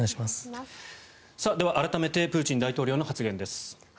改めてプーチン大統領の発言です。